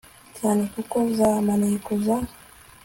cyane kuko za maneko za